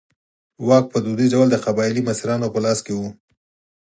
واک په دودیز ډول د قبایلي مشرانو په لاس کې و.